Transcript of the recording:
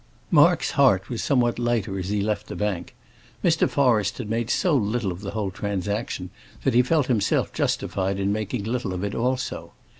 Mark's heart was somewhat lighter as he left the bank. Mr. Forrest had made so little of the whole transaction that he felt himself justified in making little of it also.